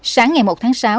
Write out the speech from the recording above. sáng ngày một tháng sáu